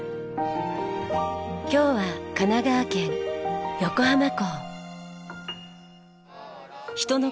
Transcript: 今日は神奈川県横浜港。